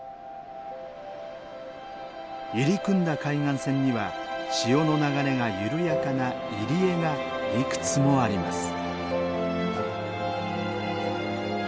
入り組んだ海岸線には潮の流れが緩やかな入り江がいくつもあります。